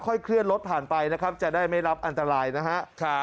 เคลื่อนรถผ่านไปนะครับจะได้ไม่รับอันตรายนะฮะ